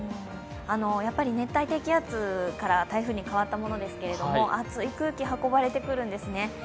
熱帯低気圧から台風に変わったものですけれどあつい空気が運ばれてくるんですね。